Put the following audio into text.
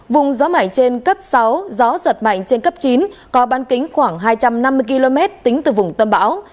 vùng gió mảnh trên cấp sáu gió giật mạnh trên cấp chín có ban kính khoảng hai trăm năm mươi km tính từ vùng tâm bão